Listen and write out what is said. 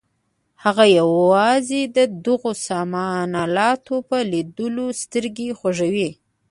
هغه یوازې د دغو سامان الاتو په لیدلو سترګې خوږوي.